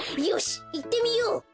よしいってみよう！